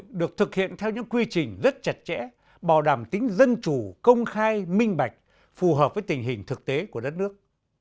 chúng ta được thực hiện theo những quy trình rất chặt chẽ bảo đảm tính dân chủ công khai minh bạch phù hợp với tình hình thực tế của đất nước